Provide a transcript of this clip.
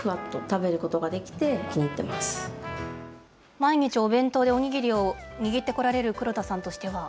毎日お弁当でお握りを握ってこられる黒田さんとしては？